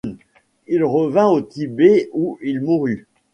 Il revint au Tibet où il mourut.